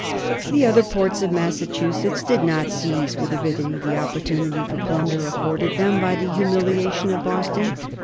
The other ports of Massachusetts did not seize with avidity the opportunity for plunder afforded them by the humiliation of Boston.